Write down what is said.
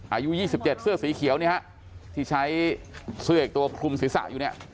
อายุ๒๗เสื้อสีเขียวนี้ครับที่ใช้เสื้ออีกตัวคุมศิษย์อยู่นี่